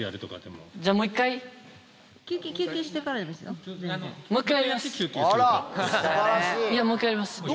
もう１回やります。